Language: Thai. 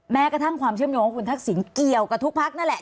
แม้กระทั่งความเชื่อมโยงของคุณทักษิณเกี่ยวกับทุกพักนั่นแหละ